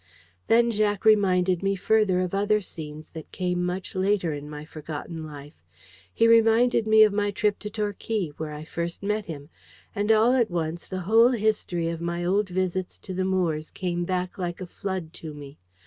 Then Jack reminded me further of other scenes that came much later in my forgotten life. He reminded me of my trip to Torquay, where I first met him: and all at once the whole history of my old visits to the Moores came back like a flood to me.